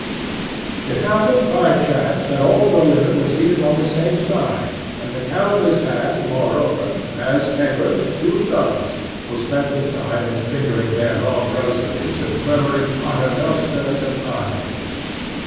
It happened by chance that all the women were seated on the same side; and the countess had, moreover, as neighbors two nuns, who spent the time in fingering their long rosaries and murmuring paternosters and aves.